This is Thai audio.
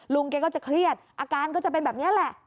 ลุงแกก็จะเครียดอาการก็จะเป็นแบบนี้แหละ